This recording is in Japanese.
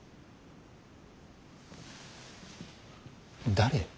誰？